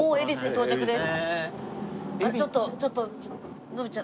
到着です。